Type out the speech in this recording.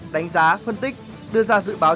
đánh giá phân tích đưa ra dự báo